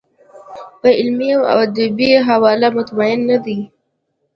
په علمي او ادبي حواله مطمین نه دی.